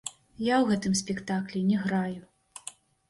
Я ў гэтым спектаклі не граю.